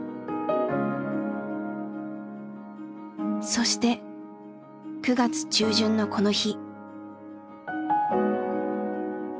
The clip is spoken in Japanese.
そして９月中旬のこの日。